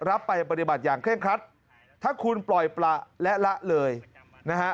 รับไปปฏิบัติอย่างเคร่งครัดถ้าคุณปล่อยประและละเลยนะฮะ